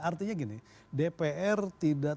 artinya gini dpr tidak